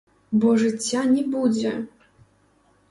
Бо жыцця не будзе!